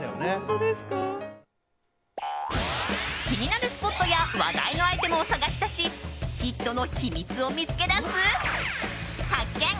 気になるスポットや話題のアイテムを探し出しヒットの秘密を見つけ出す発見！